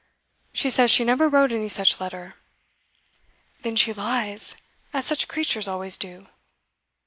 She says she never wrote any such letter.' 'Then she lies, as such creatures always do.